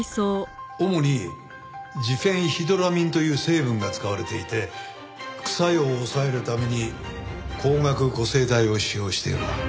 主にジフェンヒドラミンという成分が使われていて副作用を抑えるために光学個性体を使用しているな。